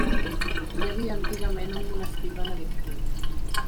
Hi havia antigament un monestir benedictí.